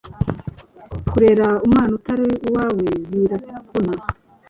kurera umwana utari uwawe biravuna